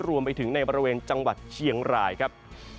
รวมไปถึงในบริเวณจังหวัดเชียงรายครับ